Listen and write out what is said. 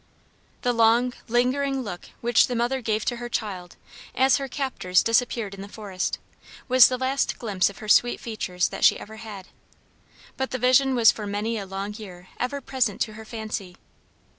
The long, lingering look which the mother gave to her child, as her captors disappeared in the forest, was the last glimpse of her sweet features that she ever had. But the vision was for many a long year ever present to her fancy.